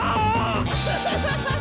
アハハハハ！